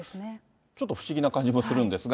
ちょっと不思議な感じもするんですが。